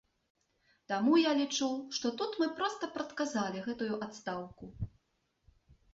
Таму я лічу, што тут мы проста прадказалі гэтую адстаўку.